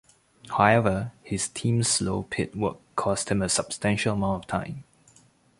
However, his team's slow pit work cost him a substantial amount of time.